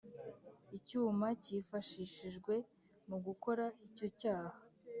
icyuma cyifashishijwe mu gukora icyo cyaha.